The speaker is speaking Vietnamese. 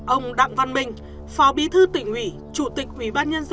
ông đặng văn bình phò bí thư tỉnh ủy chủ tịch ubnd